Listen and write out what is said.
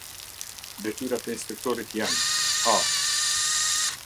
Detyrat e inspektorit janë: a.